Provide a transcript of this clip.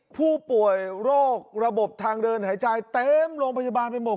ผู้ป่วยโรคระบบทางเดินหายใจเต็มโรงพยาบาลไปหมด